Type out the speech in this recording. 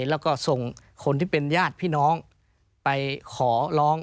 แล้วก็ส่งคนที่เป็นญาติพี่น้องไปขอร้อง